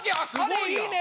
彼いいね。